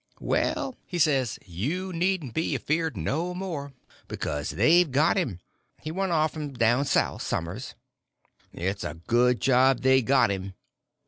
"Well," he says, "you needn't be afeard no more, becuz they've got him. He run off f'm down South, som'ers." "It's a good job they got him."